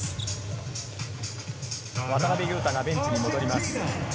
渡邊雄太がベンチに下がります。